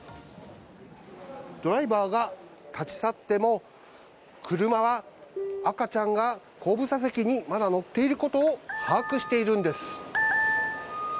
ドライバーが立ち去っても、車は赤ちゃんが後部座席にまだ乗っていることを把握しているんです。